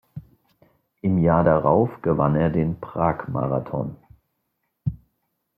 Im Jahr darauf gewann er den Prag-Marathon.